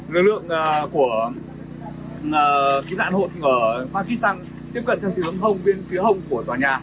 lực lượng của kỹ nạn hộ ở pakistan tiếp cận theo hướng hông bên phía hông của tòa nhà